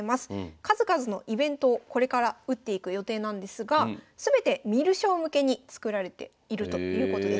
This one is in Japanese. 数々のイベントをこれから打っていく予定なんですが全て観る将向けに作られているということです。